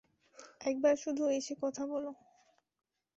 একবার শুধু এসে কথা বলো!